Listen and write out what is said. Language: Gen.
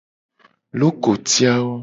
Lokoti awo.